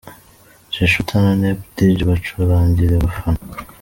Dj Shooter na Nep Djs bacurangira abafana:.